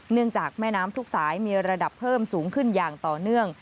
จากแม่น้ำทุกสายมีระดับเพิ่มสูงขึ้นอย่างต่อเนื่อง